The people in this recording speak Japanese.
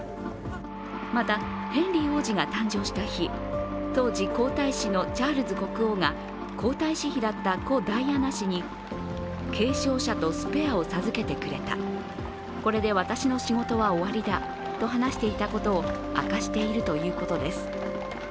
また、ヘンリー王子が誕生した日、当時、皇太子のチャールズ国王が皇太子妃だった故ダイアナ氏に継承者とスペアを授けてくれたこれで私の仕事は終わりだと話していたことを明かしているということです。